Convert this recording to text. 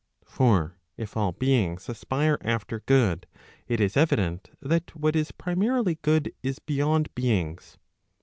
For if all beings aspire after good, it is evident that what is primarily good is beyond beings.